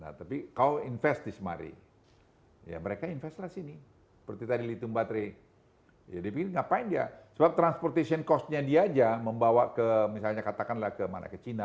nah tapi kalau invest di semari ya mereka invest lah di sini seperti tadi lithium baterai ya di bikin ngapain dia sebab transportation costnya dia aja membawa ke misalnya katakanlah ke mana ke cina